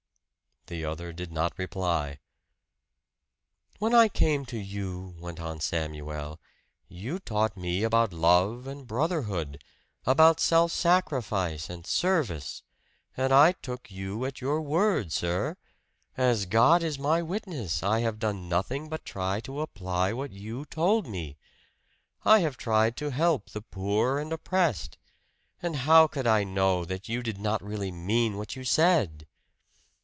The other did not reply. "When I came to you," went on Samuel, "you taught me about love and brotherhood about self sacrifice and service. And I took you at your word, sir. As God is my witness, I have done nothing but try to apply what you told me! I have tried to help the poor and oppressed. And how could I know that you did not really mean what you said?"